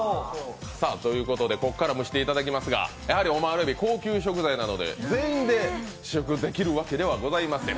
ということで、ここから蒸していただきますがやはりオマール海老、高級食材なので全員で試食できるわけではありません。